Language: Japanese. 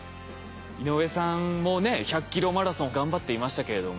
井上さんもね１００ｋｍマラソン頑張っていましたけれども。